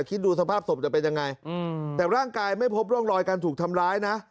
คิดดูสภาพศพจะเป็นยังไงแต่ร่างกายไม่พบร่องรอยการถูกทำร้ายนะ